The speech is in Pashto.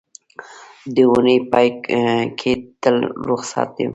د اونۍ پای کې تل روخصت یم